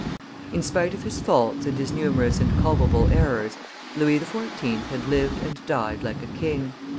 In spite of his faults and his numerous and culpable errors, Louis XIV. had lived and died like a king.